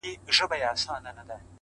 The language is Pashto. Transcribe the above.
دغه سُر خالقه دغه تال کي کړې بدل;